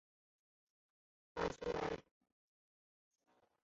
巴苏埃。